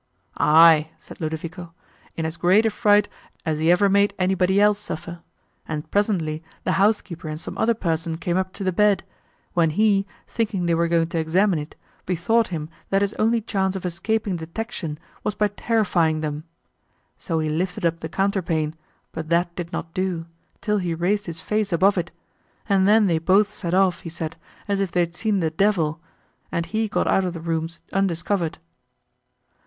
"Aye," said Ludovico, "in as great a fright as he ever made anybody else suffer; and presently the housekeeper and some other person came up to the bed, when he, thinking they were going to examine it, bethought him, that his only chance of escaping detection, was by terrifying them; so he lifted up the counterpane, but that did not do, till he raised his face above it, and then they both set off, he said, as if they had seen the devil, and he got out of the rooms undiscovered."